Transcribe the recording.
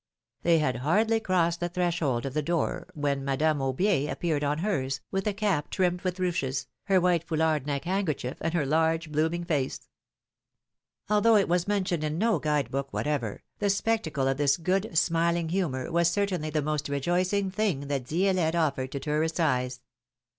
They had hardly crossed the threshold of the door when Madame Aubier appeared on hers, with a cap trimmed wdth ruches, her w^hite foulard neck handkerchief, and her large blooming face. Although it w^as mentioned in no guide book whatever, the spectacle of this good, smiling humor was certainly the most rejoicing thing that Di^lette offered to tourists' eyes.